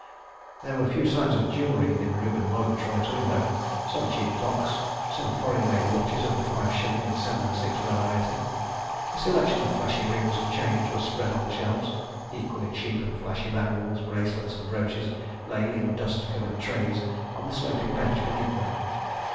There were few signs of jewellery in Reuben Murgatroyd's window some cheap clocks, some foreign made watches of the five shilling and seven and six variety, a selection of flashy rings and chains were spread on the shelves, equally cheap and flashy bangles, bracelets, and brooches lay in dust covered trays on the sloping bench beneath them.